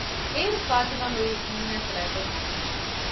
އޭރު ފާތިމާ ހުރީ ހުންއައިސް ރަތްވެފަ